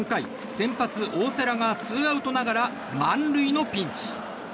先発、大瀬良がツーアウトながら満塁のピンチ。